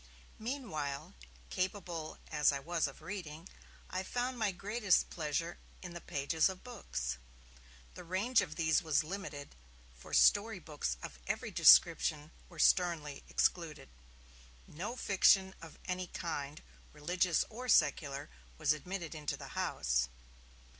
Meanwhile, capable as I was of reading, I found my greatest pleasure in the pages of books. The range of these was limited, for story books of every description were sternly excluded. No fiction of any kind, religious or secular, was admitted into the house.